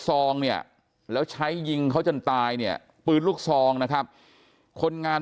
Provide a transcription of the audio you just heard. ซองเนี่ยแล้วใช้ยิงเขาจนตายเนี่ยปืนลูกซองนะครับคนงาน